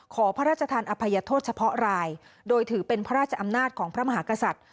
ขอพระราชทานอภัยโทษเฉพาะรายโดยถือเป็นพระราชอำนาจของพระมหากษัตริย์